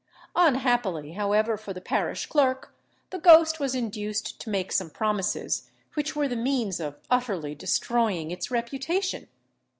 Unhappily, however, for the parish clerk, the ghost was induced to make some promises which were the means of utterly destroying its reputation.